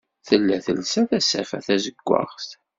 Tella telsa tasafa d tazewwaɣt.